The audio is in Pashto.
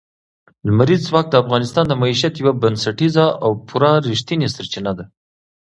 لمریز ځواک د افغانانو د معیشت یوه بنسټیزه او پوره رښتینې سرچینه ده.